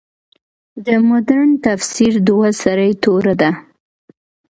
د مډرن تفسیر دوه سرې توره ده.